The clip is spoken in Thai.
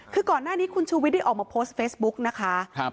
คือก่อนหน้านี้คุณชูวิทย์ได้ออกมาโพสต์เฟซบุ๊กนะคะ